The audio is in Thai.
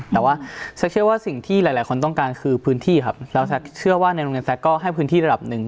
แต่ว่าแซคเชื่อว่าสิ่งที่หลายคนต้องการคือพื้นที่ครับแล้วแซคเชื่อว่าในโรงเรียนแซ็กก็ให้พื้นที่ระดับหนึ่ง